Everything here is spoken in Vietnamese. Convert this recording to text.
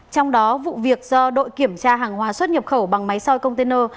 trong đó vụ việc do đội kiểm tra hàng hóa xuất nhập khẩu bằng máy soi container